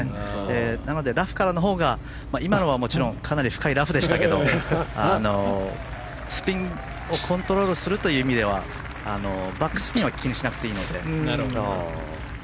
なのでラフからのほうが今のはもちろんかなり深いラフでしたけどスピンをコントロールするという意味ではバックスピンは気にしなくていいので。